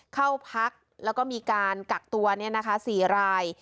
เข้าพักแล้วก็มีการกักตัว๔ราย